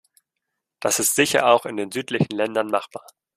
Das ist sicher auch in den südlichen Ländern machbar.